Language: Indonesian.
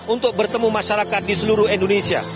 untuk bertemu masyarakat di seluruh indonesia